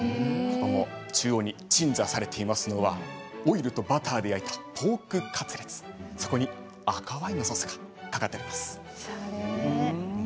中央に鎮座されているのはオイルとバターで焼いたポークカツレツ赤ワインのソースがかかっています。